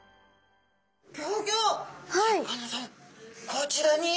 こちらに。